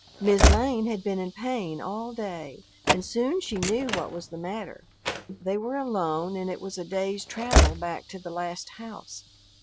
"Mis' Lane" had been in pain all day and soon she knew what was the matter. They were alone and it was a day's travel back to the last house.